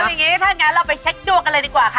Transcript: อย่างนี้ถ้างั้นเราไปเช็คดวงกันเลยดีกว่าค่ะ